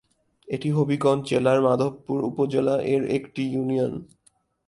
এটি হবিগঞ্জ জেলার মাধবপুর উপজেলা এর একটি ইউনিয়ন।